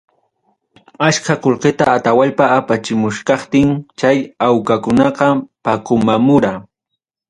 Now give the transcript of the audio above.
Achka qullqita Atawallpa apachimuchkaptin, chay awqakunaqa paqumarura.